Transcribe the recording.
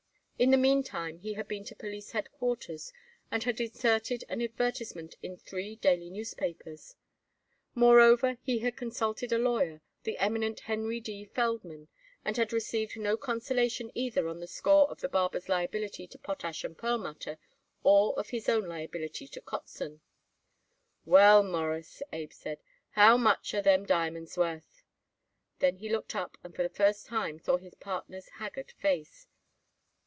In the meantime he had been to police headquarters and had inserted an advertisement in three daily newspapers. Moreover he had consulted a lawyer, the eminent Henry D. Feldman, and had received no consolation either on the score of the barber's liability to Potash & Perlmutter or of his own liability to Kotzen. "Well, Mawruss," Abe said, "how much are them diamonds worth?" Then he looked up and for the first time saw his partner's haggard face.